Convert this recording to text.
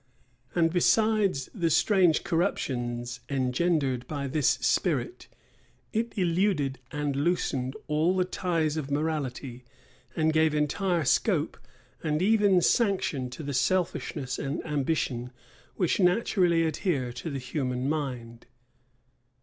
And besides the strange corruptions engendered by this spirit, it eluded and loosened all the ties of morality, and gave entire scope, and even sanction, to the selfishness and ambition which naturally adhere to the human mind.